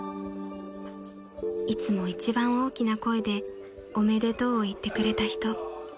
［いつも一番大きな声で「おめでとう」を言ってくれた人］